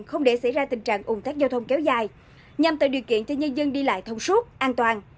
không để xảy ra tình trạng ủng tắc giao thông kéo dài nhằm tạo điều kiện cho nhân dân đi lại thông suốt an toàn